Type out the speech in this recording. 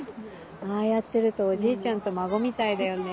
ああやってるとおじいちゃんと孫みたいだよね。